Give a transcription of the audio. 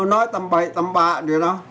nói tầm bậy tầm bạ được đó